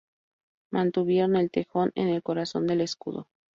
Mantuvieron el tejón en el corazón del escudo.